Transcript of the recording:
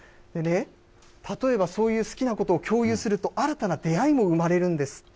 例えばそういう好きなことを共有すると、新たな出会いも生まれるんです。